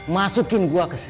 masukin gua ke set